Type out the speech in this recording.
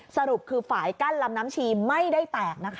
สรุปคือฝ่ายกั้นลำน้ำชีไม่ได้แตกนะคะ